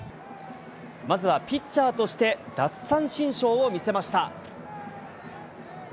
まずはピッチャーとして、奪三振ショーを見せました。